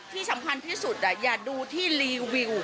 ที่สำคัญที่สุดอย่าดูที่รีวิว